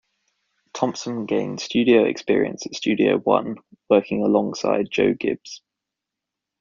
Thompson gained studio experience at Studio One, working alongside Joe Gibbs.